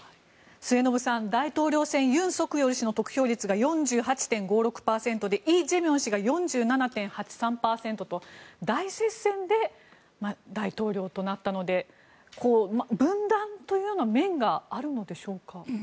末延さん大統領選、尹錫悦氏の得票率が４８．５６％でイ・ジェミョン氏が４７．８３％と大接戦で大統領となったので分断というような面があるのでしょうか。